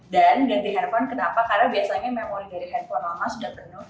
dan ganti handphone kenapa karena biasanya memori dari handphone lama sudah penuh